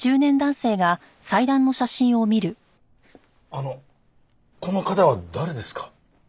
あのこの方は誰ですか？